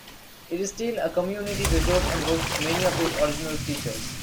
It is still a community resource and boasts many of its original features.